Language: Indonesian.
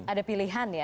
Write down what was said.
ada pilihan ya